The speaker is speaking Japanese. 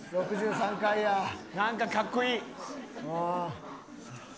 なんかかっこいい。